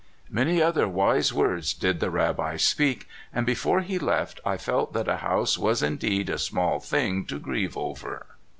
Many other wise words did the Rabbi speak, and before he left I felt that a house was indeed a small thing to grieve over.